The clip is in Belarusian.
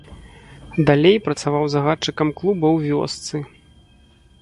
Далей працаваў загадчыкам клуба ў вёсцы.